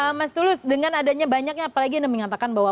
mas tulus dengan adanya banyaknya apalagi anda mengatakan bahwa